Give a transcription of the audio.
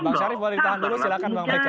bang syarif boleh ditahan dulu silakan bang michael